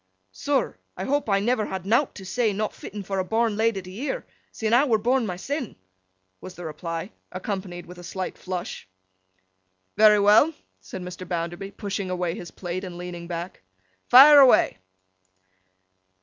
'Sir, I hope I never had nowt to say, not fitten for a born lady to year, sin' I were born mysen',' was the reply, accompanied with a slight flush. 'Very well,' said Mr. Bounderby, pushing away his plate, and leaning back. 'Fire away!